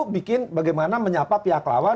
bikin bagaimana menyapa pihak lawan